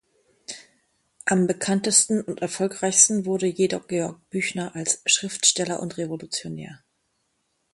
Am bekanntesten und erfolgreichsten wurde jedoch Georg Büchner als Schriftsteller und Revolutionär.